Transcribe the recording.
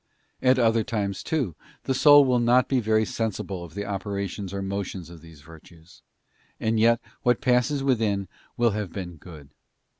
At other times, too, the soul will not be very sensible of the operations or motions of these virtues, and yet what passes within will have been good.